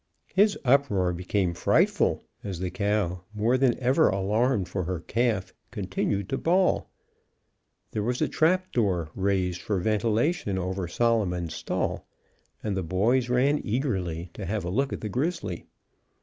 His uproar became frightful as the cow, more than ever alarmed for her calf, continued to bawl. There was a trap door raised for ventilation over Solomon's stall, and the boys ran eagerly to have a look at the grizzly.